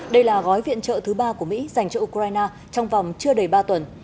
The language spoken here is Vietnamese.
đây là gói viện trợ thứ ba của mỹ dành cho ukraine trong vòng chưa đầy ba tuần